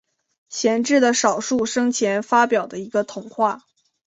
贤治的少数生前发表的一个童话。